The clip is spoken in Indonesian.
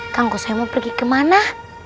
tangguh soi mau pergi kemana